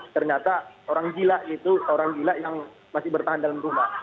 ternyata orang gila itu orang gila yang masih bertahan dalam rumah